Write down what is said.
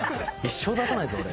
一生出さないぞ俺。